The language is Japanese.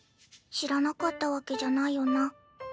知らなかったわけじゃないよな？